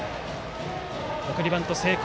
送りバント、成功。